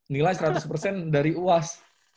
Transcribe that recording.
nilai seratus dari uas